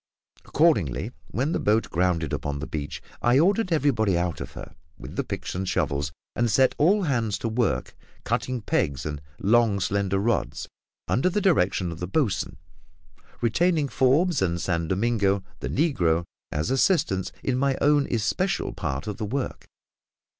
Accordingly, when the boat grounded upon the beach, I ordered everybody out of her, with the picks and shovels, and set all hands to work cutting pegs and long slender rods, under the direction of the boatswain, retaining Forbes and San Domingo, the negro, as assistants in my own especial part of the work.